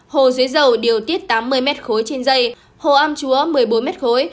hồ suối dầu điều tiết tám mươi m khối trên dây hồ am chúa một mươi bốn m khối